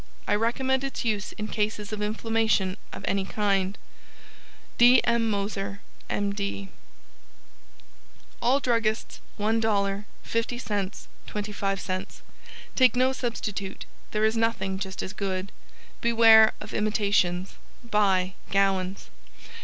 I recommend its use in cases of inflammation of any kind. D. M. MOSER, M. D. All Druggists $l, 50c., 25c. Take no substitute; there is nothing just as good. Beware of imitations. Buy Gowans.